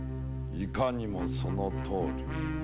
いかにもそのとおり。